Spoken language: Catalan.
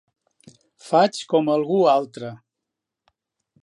Faig com algú altre.